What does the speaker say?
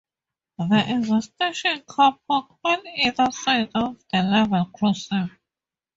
There is a station car park on either side of the level crossing.